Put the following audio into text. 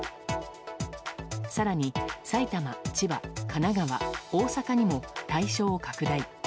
更に埼玉、千葉、神奈川、大阪にも対象を拡大。